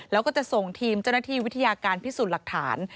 แล้วก็จะส่งทีมเจ้าหน้าที่วิทยาการพิสูจน์หลักฐาน